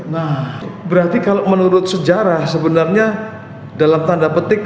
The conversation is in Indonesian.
nah berarti kalau menurut sejarah sebenarnya dalam tanda petik